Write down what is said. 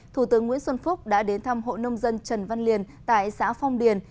thủ tướng nguyễn xuân phúc đã đến thăm hộ nông dân trần văn liền tại xã phong điền